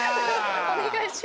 お願いします。